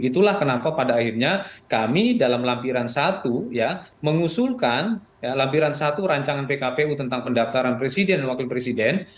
itulah kenapa pada akhirnya kami dalam lampiran satu mengusulkan lampiran satu rancangan pkpu tentang pendaftaran presiden